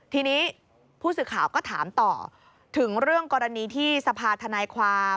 ทีนี้ผู้สื่อข่าวก็ถามต่อถึงเรื่องกรณีที่สภาธนายความ